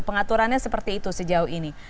pengaturannya seperti itu sejauh ini